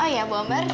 oh ya bu amber